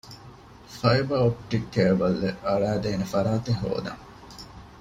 ފައިބަރ އޮޕްޓިކް ކޭބަލެއް އަޅައިދޭނެ ފަރާތެއް ހޯދަން